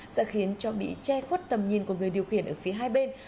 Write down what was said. sẽ khiến cho mỹ che khuất tầm nhìn của người điều khiển ở phía hai bên